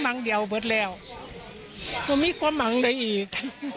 ก็มั้งเดี๋ยวเบิดแล้วไม่มีกว่ามั้งอะไรอีก